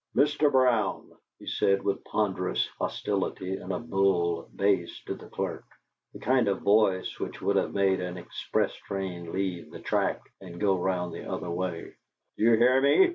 "Mr. Brown," he said, with ponderous hostility, in a bull bass, to the clerk the kind of voice which would have made an express train leave the track and go round the other way "do you hear me?"